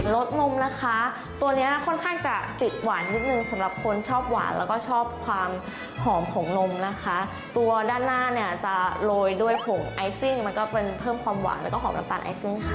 สนมนะคะตัวเนี้ยค่อนข้างจะติดหวานนิดนึงสำหรับคนชอบหวานแล้วก็ชอบความหอมของนมนะคะตัวด้านหน้าเนี่ยจะโรยด้วยผงไอซิ่งมันก็เป็นเพิ่มความหวานแล้วก็หอมน้ำตาลไอซิ่งค่ะ